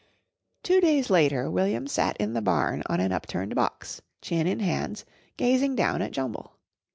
Two days later William sat in the barn on an upturned box, chin in hands, gazing down at Jumble.